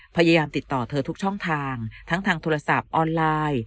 พยายามติดต่อเธอทุกช่องทางทั้งทางโทรศัพท์ออนไลน์